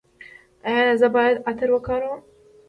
ایا زه باید عطر وکاروم؟